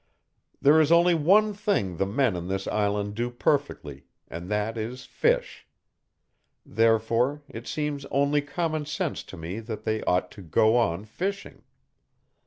"There is only one thing the men on this island do perfectly, and that is fish. Therefore, it seems only common sense to me that they ought to go on fishing."